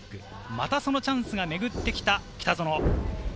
またそのチャンスがめぐってきた北園。